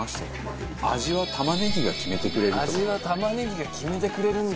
味は玉ねぎが決めてくれるんだ。